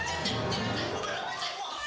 ga ketau ga ketau